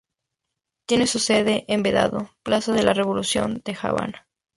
Tiene su sede en Vedado, Plaza de la Revolución, La Habana.